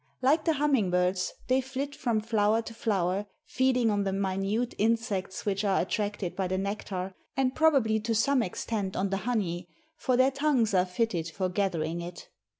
Like the hummingbirds, they flit from flower to flower, feeding on the minute insects which are attracted by the nectar, and probably to some extent on the honey, for their tongues are fitted for gathering it.